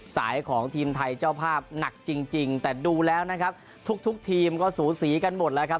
สายของทีมไทยเจ้าภาพหนักจริงจริงแต่ดูแล้วนะครับทุกทุกทีมก็สูสีกันหมดแล้วครับ